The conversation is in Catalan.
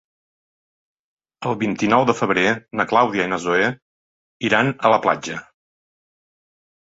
El vint-i-nou de febrer na Clàudia i na Zoè iran a la platja.